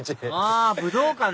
あ武道館ね